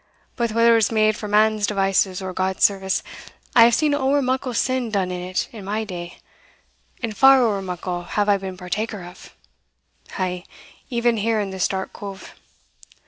But whether it was made for man's devices or God's service, I have seen ower muckle sin done in it in my day, and far ower muckle have I been partaker of ay, even here in this dark cove.